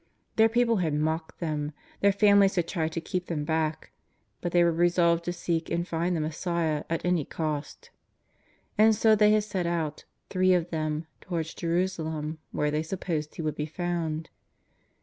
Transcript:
Their people had mocked them; their families had tried to keep them back ; but they were resolved to seek and find the Mes siah at any cost. And so they had set out, three of them, towards Jerusalem, where they supposed He would be found.